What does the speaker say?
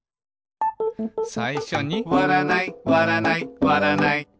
さいしょに「わらないわらないわらない」